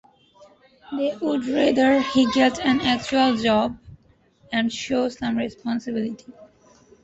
They would rather he get an actual job and show some responsibility.